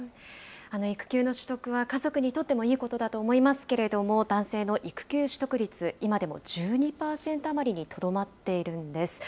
育休の取得は、家族にとってもいいことだと思いますけれども、男性の育休取得率、今でも１２％余りにとどまっているんです。